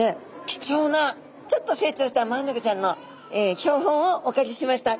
貴重なちょっと成長したマアナゴちゃんの標本をお借りしました。